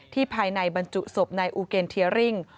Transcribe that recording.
ที่ภายในบรรจุศพในอุเกนเทียริ่ง